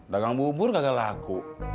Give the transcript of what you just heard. dagang bubur kagak laku